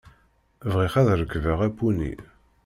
Bɣiɣ ad rekbeɣ apuni!